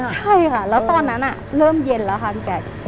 ใช่ค่ะแล้วตอนนั้นเริ่มเย็นแล้วค่ะพี่แจ๊ค